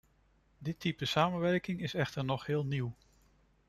Dit type samenwerking is echter nog heel nieuw.